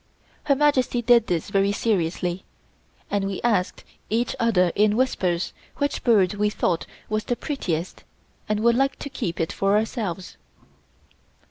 Her Majesty did this very seriously and we asked each other in whispers which bird we thought was the prettiest and would like to keep it for ourselves.